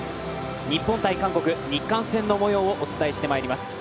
日本×韓国、日韓戦のもようをお伝えしてまいります。